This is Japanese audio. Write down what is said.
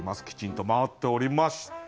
きちんと回っております。